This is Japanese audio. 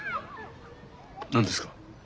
何ですか？